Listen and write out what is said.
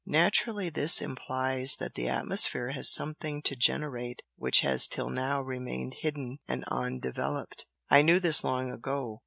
Naturally this implies that the atmosphere has something to 'generate' which has till now remained hidden and undeveloped. I knew this long ago.